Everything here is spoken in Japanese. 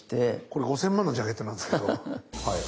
これ５，０００万のジャケットなんですけど。